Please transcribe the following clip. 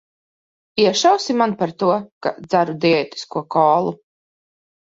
Iešausi man par to, ka dzeru diētisko kolu?